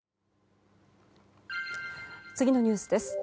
次のニュースです。